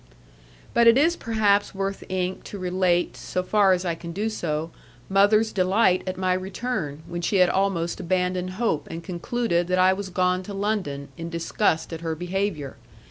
But it is perhaps worth ink to relate, so far as I can do so, mother's delight at my return, when she had almost abandoned hope, and concluded that I was gone to London, in disgust at her behaviour.